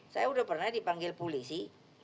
saya udah pernah dipanggil pulisi